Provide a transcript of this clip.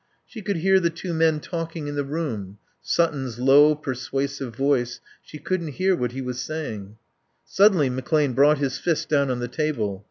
She could hear the two men talking in the room, Sutton's low, persuasive voice; she couldn't hear what he was saying. Suddenly McClane brought his fist down on the table.